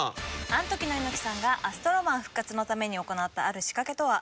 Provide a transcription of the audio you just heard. アントキの猪木さんがアストロマン復活のために行ったある仕掛けとは？